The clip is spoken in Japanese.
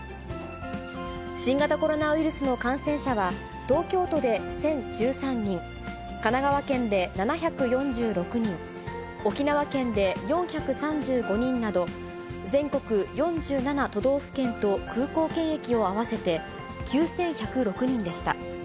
新型コロナウイルスの感染者は、東京都で１０１３人、神奈川県で７４６人、沖縄県で４３５人など、全国４７都道府県と空港検疫を合わせて９１０６人でした。